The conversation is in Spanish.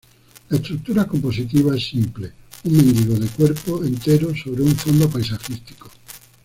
La estructura compositiva es simple: un mendigo de cuerpo entero sobre un fondo paisajístico.